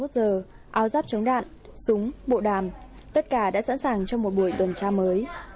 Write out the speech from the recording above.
hai mươi giờ áo giáp chống đạn súng bộ đàm tất cả đã sẵn sàng cho một buổi tuần tra mới